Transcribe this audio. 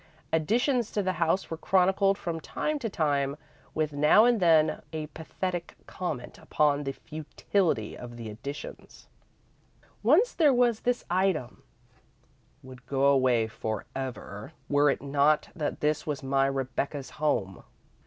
Additions to the house were chronicled from time to time, with now and then a pathetic comment upon the futility of the additions. Once there was this item: "Would go away for ever were it not that this was my Rebecca's home.